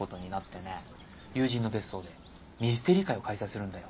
友人の別荘でミステリー会を開催するんだよ。